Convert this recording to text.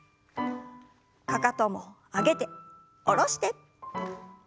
かかとも上げて下ろして。